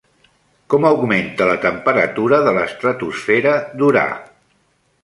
Com augmenta la temperatura de l'estratosfera d'Urà?